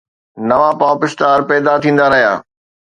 نوان pop star پيدا ٿيندا رهيا.